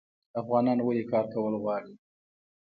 افغانان ولې کار کول غواړي؟